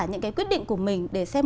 những cái quyết định của mình để xem